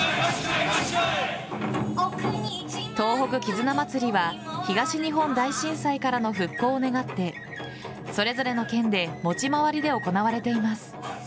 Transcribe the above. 東北絆まつりは東日本大震災からの復興を願ってそれぞれの県で持ち回りで行われています。